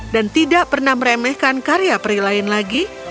dan tidak pernah meremehkan karya pria lain lagi